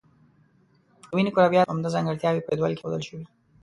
د وینې کرویاتو عمده ځانګړتیاوې په جدول کې ښودل شوي.